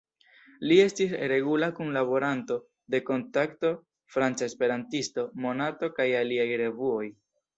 Li estis regula kunlaboranto de "Kontakto," "Franca Esperantisto", "Monato" kaj aliaj revuoj.